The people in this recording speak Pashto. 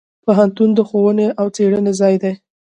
پوهنتون د ښوونې او څیړنې ځای دی.